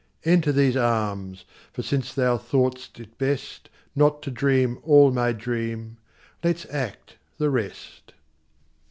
Enter these arms, for since thou thought'st it bestNot to dream all my dream, let's act the rest.